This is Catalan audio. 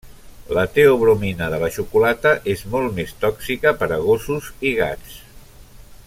La teobromina de la xocolata és molt més tòxica per a gossos i gats.